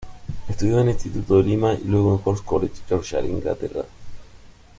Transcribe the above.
Estudió en el Instituto de Lima y luego en el Horst College, Yorkshire, Inglaterra.